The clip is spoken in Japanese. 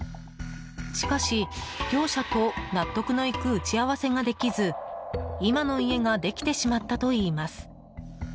しかし、業者と納得のいく打ち合わせができず今の家ができてしまったといいます。